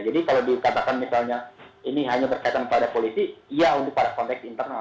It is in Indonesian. jadi kalau dikatakan misalnya ini hanya berkaitan pada polisi iya untuk pada konteks internal